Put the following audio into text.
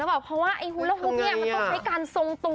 แบบเพราะว่าไอ้ฮุระฮุกเนี่ยมันต้องใช้การทรงตัว